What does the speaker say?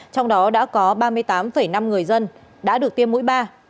trong đó đã có ba mươi tám năm người dân đã được tiêm mũi ba